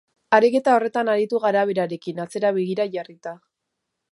Ariketa horretan aritu gara berarekin, atzera begira jarrita.